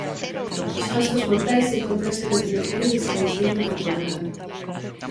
Os restos mortais encóntranse no cemiterio de San Isidro de Cuenca.